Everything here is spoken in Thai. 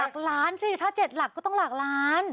หลักล้านสิถ้า๗หลักก็ต้องหลักล้าน